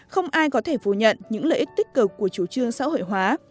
không ai có thể phủ nhận những lợi ích tích cực của chủ trương xã hội hóa